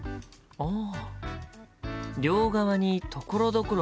ああ。